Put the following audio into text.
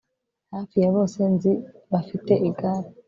Hafi ya bose nzi bafite igare